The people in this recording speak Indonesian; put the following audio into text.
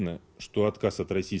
bahwa kegagalan dari nefas rusia